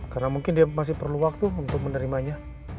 karena mungkin dia masih perlu waktu untuk menerimanya